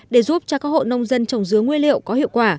để giúp cho các hộ nông dân trồng dứa nguyên liệu có hiệu quả